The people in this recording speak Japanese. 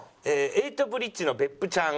エイトブリッジの別府ちゃん。